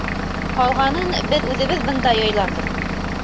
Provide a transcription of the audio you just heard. Ҡалғанын беҙ үҙебеҙ бында яйларбыҙ.